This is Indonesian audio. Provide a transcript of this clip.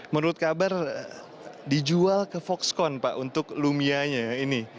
menurut kabar dijual ke foxconn pak untuk lumia nya ini